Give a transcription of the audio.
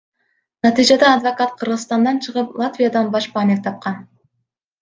Натыйжада адвокат Кыргызстандан чыгып Латвиядан башпаанек тапкан.